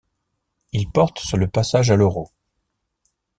Il porte sur le passage à l'euro.